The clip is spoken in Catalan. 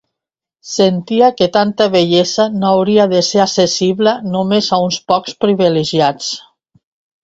Sentia que tanta bellesa no hauria de ser accessible només a uns pocs privilegiats.